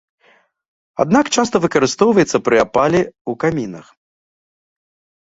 Аднак часта выкарыстоўваецца пры апале ў камінах.